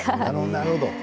なるほど。